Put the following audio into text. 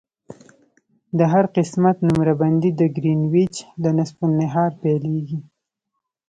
د هر قسمت نمره بندي د ګرینویچ له نصف النهار پیلیږي